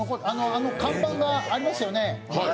あの看板がありますよね。